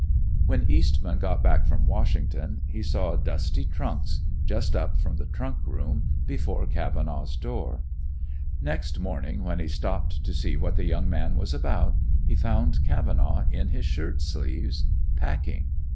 When Eastman got back from Washington, he saw dusty trunks, just up from the trunk room, before Cavenaugh's door. Next morning, when he stopped to see what the young man was about, he found Cavenaugh in his shirt sleeves, packing.